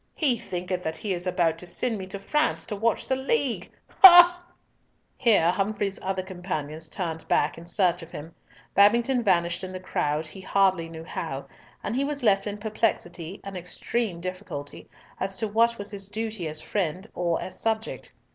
He thinketh that he is about to send me to France to watch the League. Ha! ha!" Here Humfrey's other companions turned back in search of him; Babington vanished in the crowd, he hardly knew how, and he was left in perplexity and extreme difficulty as to what was his duty as friend or as subject.